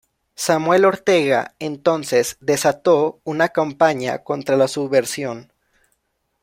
Samuel Ortega, entonces, desató una campaña contra la subversión.